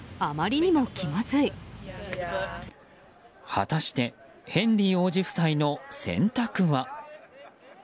果たしてヘンリー王子夫妻の選択は？